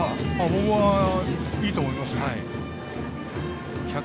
僕はいいと思います。